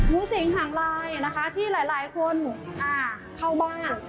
งูสิงหางลายนะคะที่หลายคนเข้าบ้าน